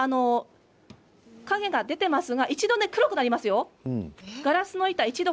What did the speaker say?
影が出ていますが一度、黒くなりますよ。